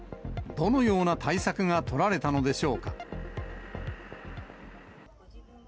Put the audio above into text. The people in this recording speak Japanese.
どのような対策が取られたのでしょうか。